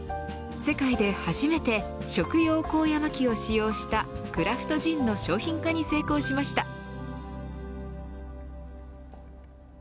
世界で初めて食用コウヤマキを使用したクラフトジンの商品化に成功しました。